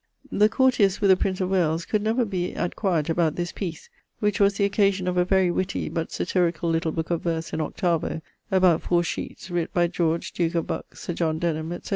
The courtiers with the Prince of Wales could never be at quiet about this piece, which was the occasion of a very witty but satericall little booke of verses in 8vo. about 4 sheetes, writt by George, duke of Buckes, Sir John Denham, etc.